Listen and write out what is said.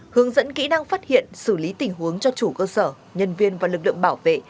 hướng dẫn kỹ năng phát hiện xử lý tình huống cho chủ cơ sở nhân viên và lực lượng bảo vệ